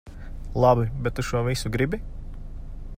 Labi, bet tu šo visu gribi?